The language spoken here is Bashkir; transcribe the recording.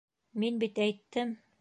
Мин бит әйттем!